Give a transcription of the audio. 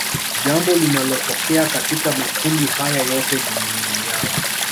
Jambo linalotokea katika makundi haya yote ni mwingiliano